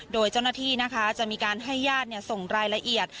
โดยเจ้าหน้าที่นะคะจะมีการให้ญาติส่งรายละเอียด